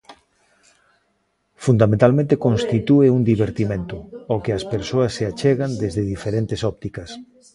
Fundamentalmente constitúe un divertimento, ao que as persoas se achegan desde diferentes ópticas.